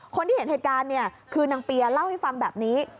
คนที่เห็นเหตุการณ์เนี่ยคือนางเปียเล่าให้ฟังแบบนี้